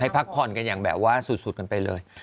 พักผ่อนกันอย่างแบบว่าสุดกันไปเลย